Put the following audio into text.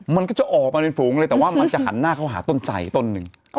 มันก็จะออกมาเป็นฝูงเลยแต่ว่ามันจะหันหน้าเข้าหาต้นใจต้นหนึ่ง